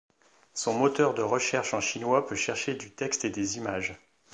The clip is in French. Son moteur de recherche en chinois peut chercher du texte et des images.